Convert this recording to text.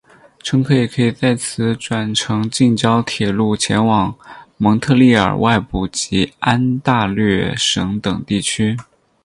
乘客也可以在此转乘近郊铁路前往蒙特利尔外部及安大略省等地区。